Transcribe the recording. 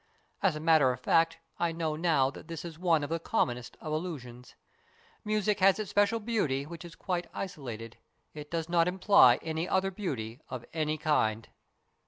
As a matter of fact, I know now that this is one of the commonest of illusions. Music has its special beauty, which is quite isolated. It does not imply any other beauty of any kind.